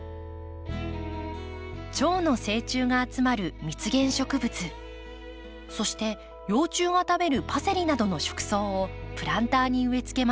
チョウの成虫が集まる蜜源植物そして幼虫が食べるパセリなどの食草をプランターに植えつけました。